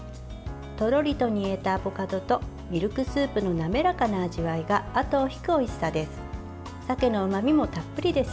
とろりと煮えたアボカドとミルクスープの滑らかな味わいがあとを引くおいしさです。